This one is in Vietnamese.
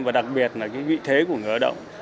và đặc biệt là vị thế của người lao động